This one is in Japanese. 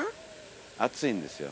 暑いんですよ。